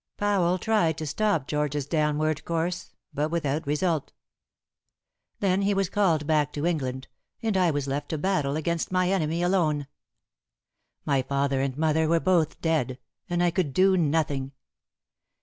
Powell tried to stop George's downward course, but without result. Then he was called back to England, and I was left to battle against my enemy alone. My father and mother were both dead, and I could do nothing.